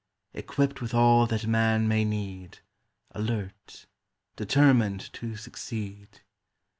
Equipped with all that man may need, Alert, determined to succeed.